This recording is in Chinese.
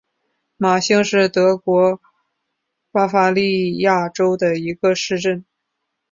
马兴是德国巴伐利亚州的一个市镇。